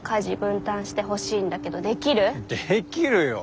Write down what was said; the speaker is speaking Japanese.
できるよ！